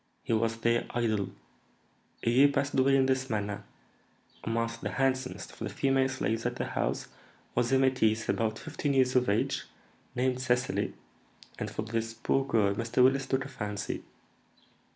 He was their idol. A year passed away in this manner. Amongst the handsomest of the female slaves at the house was a métisse, about fifteen years of age, named Cecily, and for this poor girl Mr. Willis took a fancy.